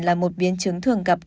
là một biến chứng thường gặp